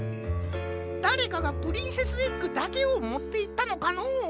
だれかがプリンセスエッグだけをもっていったのかのう？